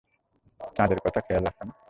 চাঁদের কথা খেয়াল আছে না।